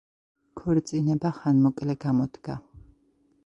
ქორწინება ხანმოკლე გამოდგა.